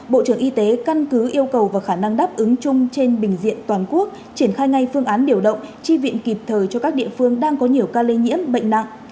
bộ trưởng y tế căn cứ yêu cầu và khả năng đáp ứng chung trên bình diện toàn quốc triển khai ngay phương án điều động chi viện kịp thời cho các địa phương đang có nhiều ca lây nhiễm bệnh nặng